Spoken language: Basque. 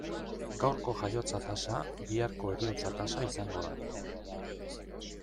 Gaurko jaiotza tasa biharko heriotza tasa izango da.